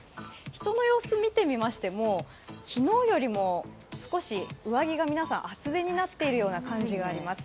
人の様子を見てみましても、昨日よりも少し、上着が皆さん厚着になっているように思います。